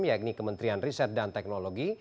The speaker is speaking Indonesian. yakni kementerian riset dan teknologi